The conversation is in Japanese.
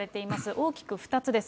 大きく２つです。